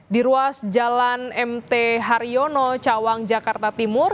di ruas jalan mt haryono cawang jakarta timur